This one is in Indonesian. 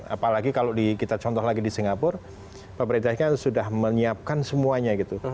apalagi kalau kita contoh lagi di singapura pemerintahnya sudah menyiapkan semuanya gitu